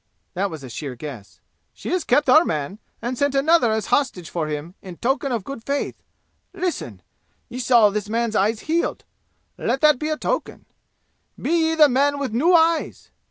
That was a sheer guess. "She has kept our man and sent another as hostage for him in token of good faith! Listen! Ye saw this man's eyes healed. Let that be a token! Be ye the men with new eyes!